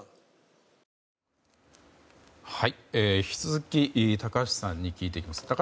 引き続き高橋さんに聞いていきます。